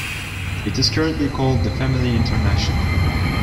It is currently called The Family International.